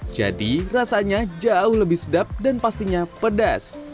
jadi rasanya jauh lebih sedap dan pastinya pedas